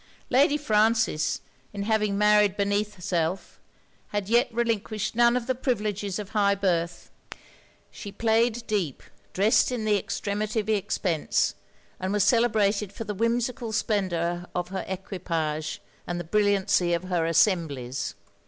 Lady Frances, in having married beneath herself, had yet relinquished none of the privileges of high birth: she played deep, dressed in the extremity of expence, and was celebrated for the whimsical splendor of her equipages and the brilliancy of her assemblies.